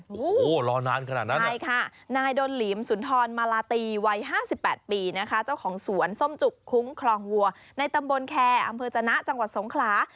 โอ้โหรอนานขนาดนั้นใช่ค่ะนายดนหลีมสุนทรมาลาตีวัย๕๘ปีนะคะเจ้าของสวนส้มจุกคุ้งคลองวัวในตำบลแคร์อำเภอจนะจังหวัดสงขลา